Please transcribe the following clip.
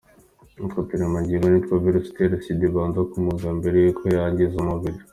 Utwo turemangingo ni two virusi itera Sida ibanza kumunga mbere y’uko yangiza umubiri.